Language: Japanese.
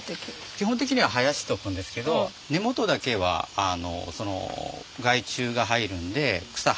基本的には生やしとくんですけど根元だけは害虫が入るんで草